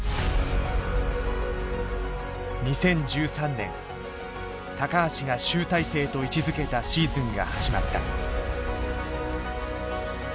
２０１３年橋が集大成と位置づけたシーズンが始まった。